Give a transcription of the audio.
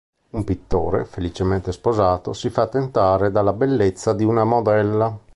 Un pittore, felicemente sposato, si fa tentare dalla bellezza di una modella.